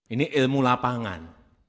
ini ilmu lapangan